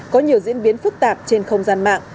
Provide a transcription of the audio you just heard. có nhiều diễn biến phức tạp trên không gian mạng